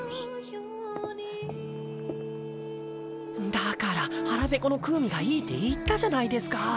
だからハラペコのクウミがいいって言ったじゃないですか。